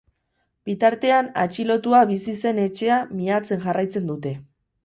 Bitartean, atxilotua bizi zen etxea miatzen jarraitzen dute.